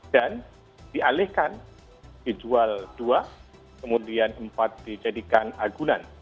dan dialihkan dijual dua kemudian empat dijadikan agunan